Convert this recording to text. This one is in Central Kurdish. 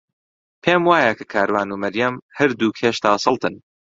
پێم وایە کە کاروان و مەریەم هەردووک هێشتا سەڵتن.